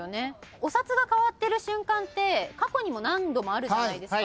お札が変わってる瞬間って過去にも何度もあるじゃないですか。